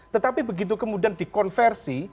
tetapi begitu kemudian di konversi